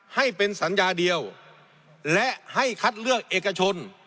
ให้เป็นสัญญาเดียวและให้คัดเลือกเอกชน